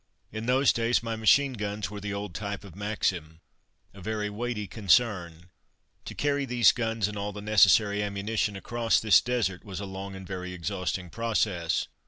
In those days my machine guns were the old type of Maxim a very weighty concern. To carry these guns and all the necessary ammunition across this desert was a long and very exhausting process.